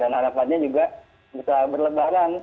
dan harapannya juga bisa berlebaran